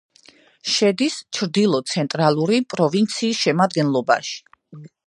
შედის ჩრდილო-ცენტრალური პროვინციის შემადგენლობაში.